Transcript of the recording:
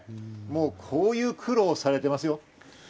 もう、こういう苦労をされていますよ。